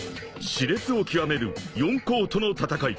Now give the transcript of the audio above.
［熾烈を極める四皇との戦い］